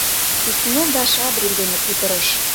Свистунов да Шадрин дене кутырыш.